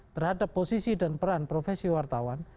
terhadap posisi dan peran profesi wartawan